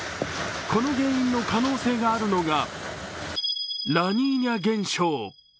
この原因の可能性があるのがラニーニャ現象。